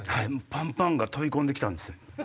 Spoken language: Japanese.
「パンパン」が飛び込んで来たんです。